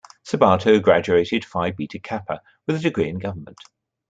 Sabato graduated Phi Beta Kappa with a degree in government.